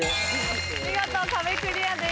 見事壁クリアです。